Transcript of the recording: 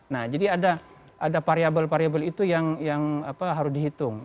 nah jadi ada variabel variabel itu yang harus dihitung